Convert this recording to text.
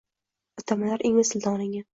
atamalar ingliz tilidan olingan